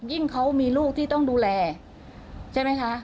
ยิ่งเขามีลูกที่ต้องดูแลใช่ไหมคะ